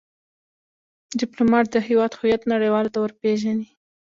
ډيپلومات د هیواد هویت نړېوالو ته ور پېژني.